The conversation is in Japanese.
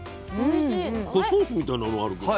これソースみたいなのあるけど。